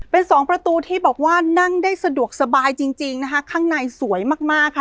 เป็นสองประตูที่บอกว่านั่งได้สะดวกสบายจริงจริงนะคะข้างในสวยมากมากค่ะ